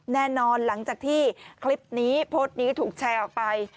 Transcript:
หลังจากที่คลิปนี้โพสต์นี้ถูกแชร์ออกไป